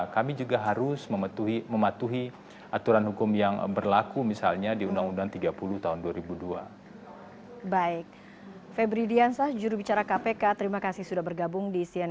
kami juga harus mematuhi aturan hukum yang berlaku misalnya di undang undang tiga puluh tahun dua ribu dua puluh